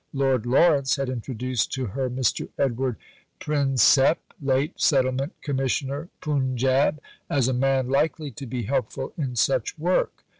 Lord Lawrence had introduced to her Mr. Edward Prinsep (late Settlement Commissioner, Punjab) as a man likely to be helpful in such work.